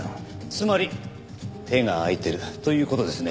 つまり手が空いてるという事ですね。